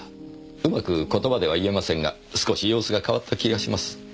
うまく言葉では言えませんが少し様子が変わった気がします。